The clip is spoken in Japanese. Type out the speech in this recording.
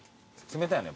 冷たいの？